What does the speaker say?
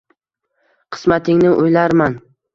Qismatingni o’ylarman.